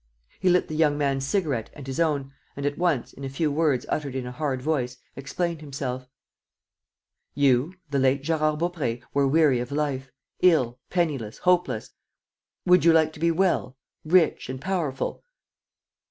He lit the young man's cigarette and his own and, at once, in a few words uttered in a hard voice, explained himself: "You, the late Gérard Baupré, were weary of life, ill, penniless, hopeless. ... Would you like to be well, rich, and powerful?"